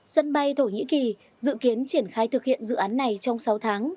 sân bay thổ nhĩ kỳ dự kiến triển khai thực hiện dự án này trong sáu tháng